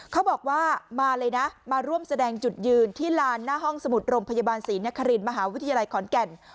เขาบอกว่ามาเลยนะมาร่วมแสดงจุดยืนที่ลานหน้าห้องสมุดโรงพยาบาลศรีนครินมหาวิทยาลัยขอนแก่น